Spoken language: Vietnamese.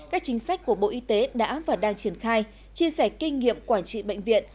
các chính sách của bộ y tế đã và đang triển khai chia sẻ kinh nghiệm quản trị bệnh viện